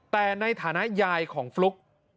แต่ในฐานะยายของฟลุ๊ก